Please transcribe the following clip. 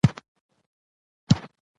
چي اوزګړی په کوهي کي را نسکور سو